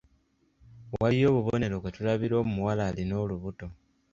Waliyo obubonero kwe tulabira omuwala alina olubuto.